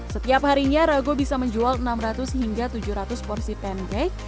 setiap harinya rago bisa menjual enam ratus hingga tujuh ratus porsi pancake